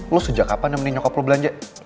lo sejak kapan nemuin nyokap lo belanja